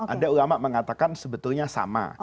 ada ulama mengatakan sebetulnya sama